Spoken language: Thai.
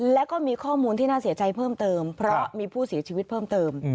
แล้วก็มีข้อมูลที่น่าเสียใจเพิ่มเติมเพราะมีผู้เสียชีวิตเพิ่มเติม